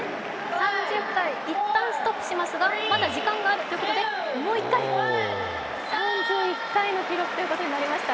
一旦ストップしますが、まだ時間があるということでもう１回、３１回の記録となりました。